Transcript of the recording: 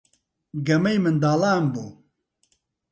گەمەی منداڵان بوو.